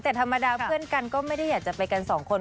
แต่ธรรมดาเพื่อนกันก็ไม่ได้อยากจะไปกันสองคน